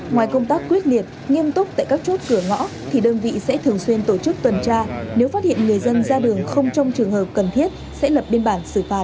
ngoài công tác quyết liệt nghiêm túc tại các chốt cửa ngõ thì đơn vị sẽ thường xuyên tổ chức tuần tra nếu phát hiện người dân ra đường không trong trường hợp cần thiết sẽ lập biên bản xử phạt